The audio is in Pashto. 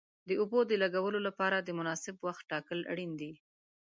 د اوبو د لګولو لپاره د مناسب وخت ټاکل اړین دي.